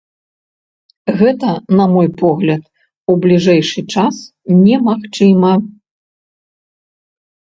Гэта, на мой погляд, у бліжэйшы час немагчыма.